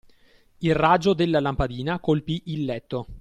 Il raggio della lampadina colpì il letto